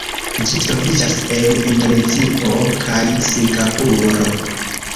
Ĝi troviĝas en Indonezio kaj Singapuro.